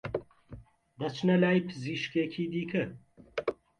دەچنە لای پزیشکێکی دیکە